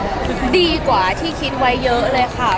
ดีกว่าที่คิดไว้เยอะเลยค่ะ